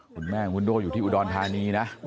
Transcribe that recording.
คุณแม่ของคุณโด่อยู่ที่อุดรธานีนะ